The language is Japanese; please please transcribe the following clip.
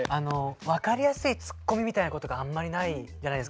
分かりやすいツッコミみたいなことがあんまりないじゃないですか。